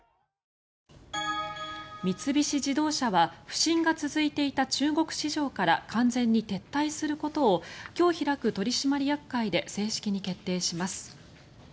三菱自動車は不振が続いていた中国市場から完全に撤退することを今日開く取締役会で正式に決定します。